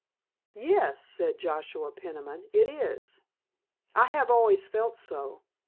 "Yes," said Joshua Peniman, "it is. I have always felt so.